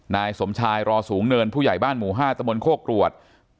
นายสมชายรอสูงเนินผู้ใหญ่บ้านหมู่๕ตะบนโคกรวด